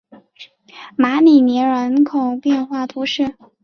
马里尼人口变化图示